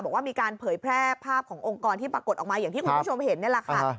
บอกว่ามีการเผยแพร่ภาพขององค์กรที่ปรากฏออกมาอย่างที่คุณผู้ชมเห็นนี่แหละค่ะ